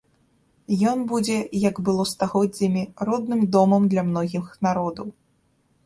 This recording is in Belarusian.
Ён будзе, як было стагоддзямі, родным домам для многіх народаў.